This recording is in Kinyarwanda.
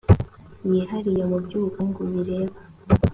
yihariye mu by ubukungu bireba